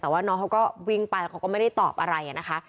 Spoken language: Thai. แต่ว่าน้องเขาก็วิ่งไปแล้วเขาก็ไม่ได้ตอบอะไรนะคะ